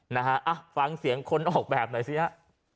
นะฮะอ่ะฟังเสียงคนออกแบบหน่อยสิฮะ